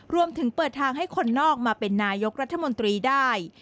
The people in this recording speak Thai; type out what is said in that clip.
รวมถึงเปิดทางให้คนนอกมาเป็นนายกรัฐมนตรีได้